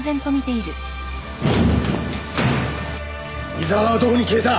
井沢はどこに消えた？